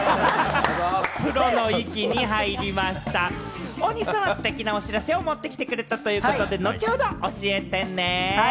プロの域に入りました、大西さんはステキなお知らせを持ってきてくれたということで、後ほど教えてね。